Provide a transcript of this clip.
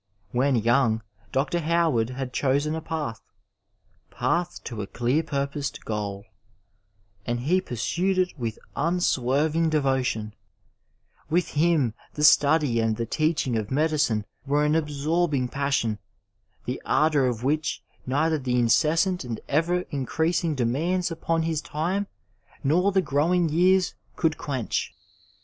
When young, Dr. Howard had chosen a path— *' path to a clear purposed goal," and he pursued it with unswerving devotion. With him the study and the teach ing of medicine were an absorbing passion, the ardour of 440 Digitized by Google THE STUDENT LIFE wbich neidier the inoeflsant and eyer incieaaing demands npon his time nor the growing years conld qnench.